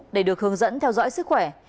để được hướng dẫn theo dõi sức khỏe